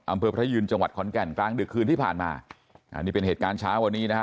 พระยืนจังหวัดขอนแก่นกลางดึกคืนที่ผ่านมาอันนี้เป็นเหตุการณ์เช้าวันนี้นะฮะ